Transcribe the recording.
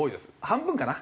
半分かな？